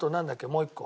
もう一個。